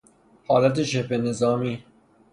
حالت شبه نظامی